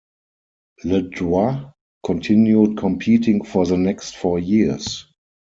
LeDoux continued competing for the next four years.